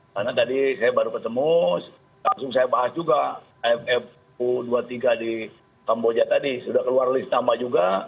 karena tadi saya baru ketemu langsung saya bahas juga aff u dua puluh tiga di tamboja tadi sudah keluar list nama juga